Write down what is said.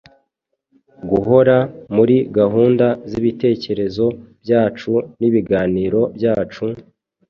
guhora muri gahunda z’ibitekerezo byacu n’ibiganiro byacu,